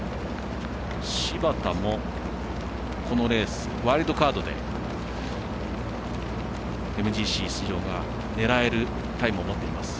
柴田も、このレースワイルドカードでＭＧＣ出場が狙えるタイムを持っています。